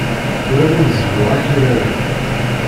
Ur awen-zelluɣ akraren.